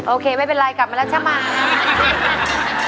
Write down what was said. โอเคไม่เป็นไรกลับมาแล้วใช่ไหม